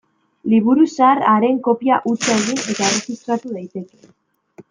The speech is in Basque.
Liburu zahar haren kopia hutsa egin eta erregistratu daiteke.